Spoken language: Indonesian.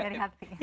dari hati ya